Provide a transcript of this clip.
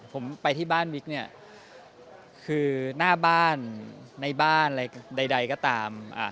ผมไปที่บ้านมิ๊กเนี่ยคือหน้าบ้านในบ้านอะไรใดก็ตาม